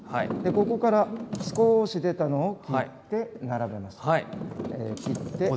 ここから少し出たものを切って並べます。